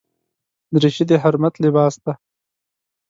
دریشي د حرمت لباس دی.